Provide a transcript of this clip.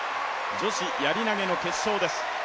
女子やり投の決勝です。